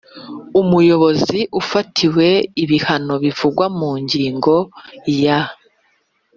Umuyobozi ufatiwe ibihano bivugwa mu ngingo ya